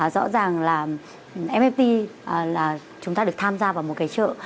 rõ ràng là fpt là chúng ta được tham gia vào một cái chợ